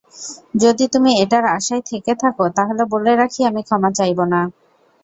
যদি তুমি এটার আশায় থেকে থাকো, তাহলে বলে রাখি আমি ক্ষমা চাইবো না।